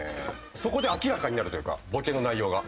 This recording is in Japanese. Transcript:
そこで明らかになるというかボケの内容が。